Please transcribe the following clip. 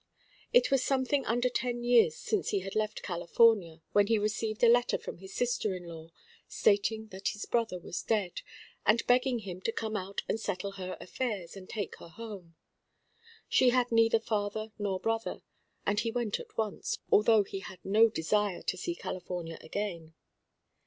It was something under ten years since he had left California, when he received a letter from his sister in law stating that his brother was dead, and begging him to come out and settle her affairs, and take her home. She had neither father nor brother; and he went at once, although he had no desire to see California again.